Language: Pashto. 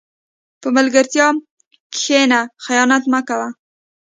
په ملګرتیا کښېنه، خیانت مه کوه.